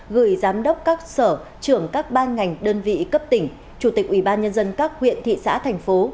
gửi giám đốc các sở trưởng các ban ngành đơn vị cấp tỉnh chủ tịch ubnd các huyện thị xã thành phố